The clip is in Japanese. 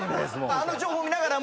あの情報見ながらも。